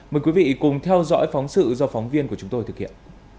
mời quý vị cùng theo dõi phóng sự do phóng viên của chúng tôi thực hiện